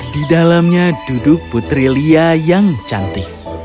di dalamnya duduk putri lia yang cantik